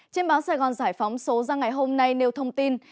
trên báo sài gòn giải phóng số ra ngày hôm nay nêu thông tin